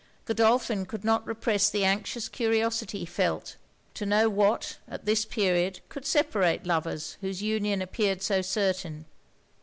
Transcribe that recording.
Godolphin could not repress the anxious curiosity he felt, to know what, at this period, could separate lovers whose union appeared so certain.